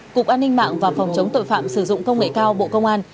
cục an ninh mạng và phòng chống tội phạm sử dụng công nghệ cao bộ công an